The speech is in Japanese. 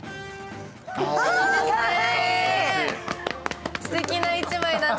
あ、かわいい。